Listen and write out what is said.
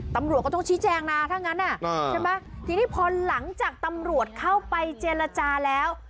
ตำรวจก็ต้องชี้แจงนะถ้างั้นอ่ะใช่ไหมทีนี้พอหลังจากตำรวจเข้าไปเจรจาแล้ว